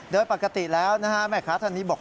โดยปกติแล้วนะฮะแม่ค้าท่านนี้บอก